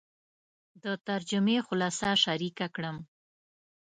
د ترجمې خلاصه شریکه کړم.